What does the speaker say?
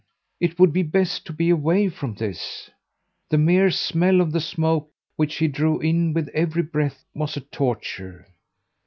It would be best to be away from this. The mere smell of the smoke which he drew in with every breath was a torture.